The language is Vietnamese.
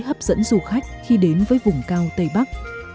hấp dẫn du khách khi đến với vùng cao tây bắc